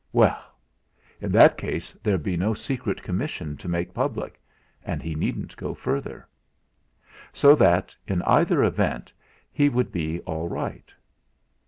Well! in that case there'd be no secret commission to make public, and he needn't go further. So that, in either event, he would be all right.